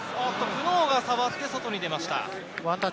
プノーが触って外に出ました。